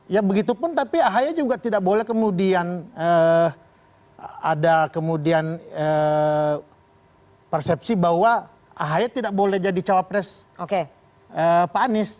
ya begitupun tapi ahaya juga tidak boleh kemudian ada kemudian persepsi bahwa ahy tidak boleh jadi cawapres pak anies